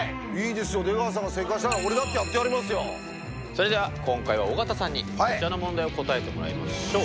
それでは今回は尾形さんにこちらの問題を答えてもらいましょう！